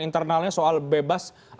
internalnya soal bebas